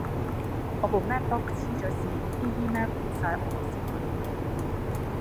我部 MacBook 痴咗線，啲 email 變晒俄羅斯文